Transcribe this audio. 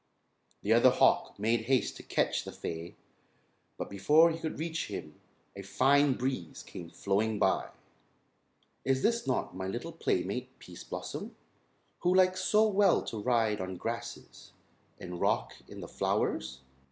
The other hawk made haste to catch the fay but before he could reach him a fine breeze came blowing by. "Is this not my little playmate, Pease Blossom, who likes so well to ride on the grasses and rock in the flowers?"